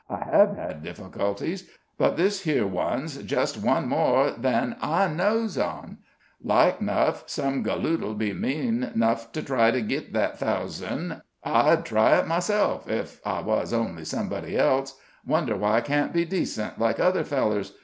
I hev had difficulties, but this here one's just one more than I knows on. Like 'nuff some galoot'll be mean 'nuff to try to git that thousand. I'd try it myself, ef I wuz only somebody else. Wonder why I can't be decent, like other fellers.